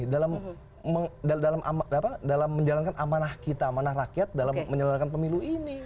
dalam menjalankan amanah kita amanah rakyat dalam menjalankan pemilu ini